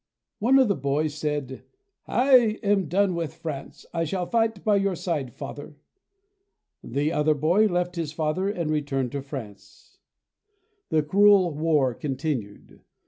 One of the boys said, "I am done with France. I shall fight by your side, Father." The other boy left his father and returned to France. The cruel war continued.